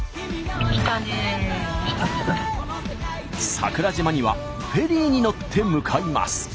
桜島にはフェリーに乗って向かいます。